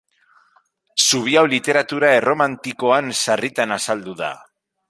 Zubi hau literatura erromantikoan sarritan azaldu da.